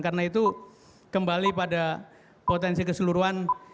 karena itu kembali pada potensi keseluruhan